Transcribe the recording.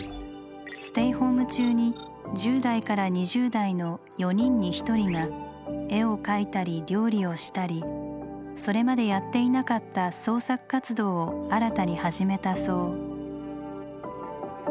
ステイホーム中に１０代から２０代の４人に１人が絵を描いたり料理をしたりそれまでやっていなかった「創作活動」を新たに始めたそう。